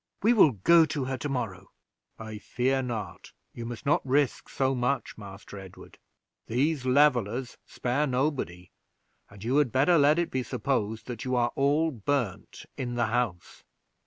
"We will go to her to morrow." "I fear not; you must not risk so much, Master Edward. These Levelers spare nobody, and you had better let it be supposed that you are all burned in the house."